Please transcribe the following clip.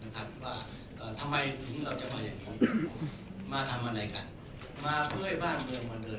ทำทำไมเราจะมาอย่างนี้มาทำอาหารให้บ้านเมืองเตือน่ะ